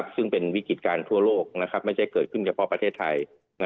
ซึ่งเป็นวิกฤติการทั่วโลกไม่ใช่เกิดขึ้นเฉพาะประเทศไทย